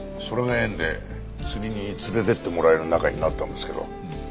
それが縁で釣りに連れていってもらえる仲になったんですけど